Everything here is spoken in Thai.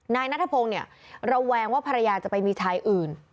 นายนัทพงศ์เนี่ยระแวงว่าภรรยาจะไปมีชายอื่น